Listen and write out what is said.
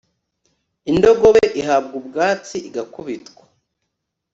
indogobe ihabwa ubwatsi, igakubitwa